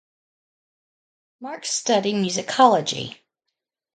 Marx studied musicology.